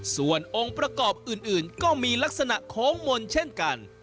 ส่วนองค์ประกอบอื่นก็มีลักษณะโค้งมนต์เช่นกัน